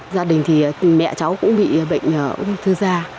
gia đình thì mẹ cháu cũng bị bệnh ung thư da